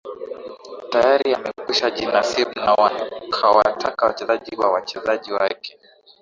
tayari amekwisha jinasb na kuwataka wachezaji wa wachezaji wake